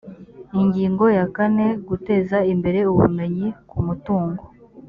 ingingo ya kane guteza imbere ubumenyi ku mutungo